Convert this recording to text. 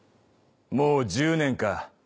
もう１０年か。